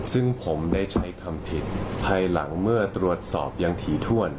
ซึ่งผมได้ใช้คำผิดภายหลังเมื่อตรวจสอบยังถี่ถ้วน